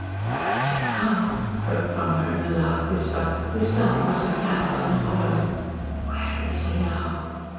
"Where is he now?" broke from her in a loud whisper, whose sound was mechanical and hollow. "Where is he now?"